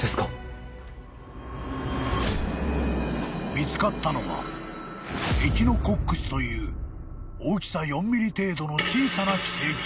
［見つかったのはエキノコックスという大きさ４ｍｍ程度の小さな寄生虫］